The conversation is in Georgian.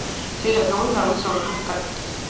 ძირითადად აგებულია ნეოგენური ვულკანური ქანებით.